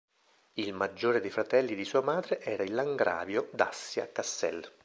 Il maggiore dei fratelli di sua madre era il Langravio d'Assia-Kassel.